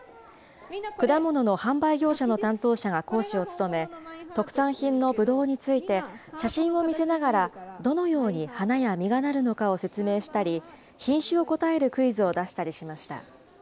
果物の販売業者の担当者が講師を務め、特産品のぶどうについて、写真を見せながら、どのように花や実がなるのかを説明したり、品種を答えるクイズを出したりしました。